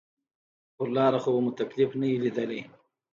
پر لاره خو به مو څه تکليف نه وي ليدلى.